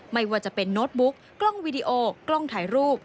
ไม่ว่าจะเป็นโน้ตบุ๊กกล้องวีดีโอกล้องถ่ายรูป